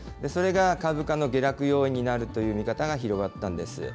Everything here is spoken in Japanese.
それが株価の下落要因になるという見方が広がったんです。